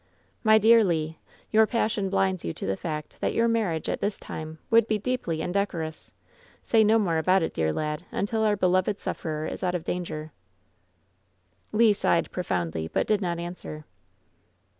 "My dear Le, your passion blinds you to the fact that your marriage at this time would be deeply indecorous! Say no more about it, dear lad, until our beloved sufferer is out of danger." Le sighed profoimdly, but did not answer.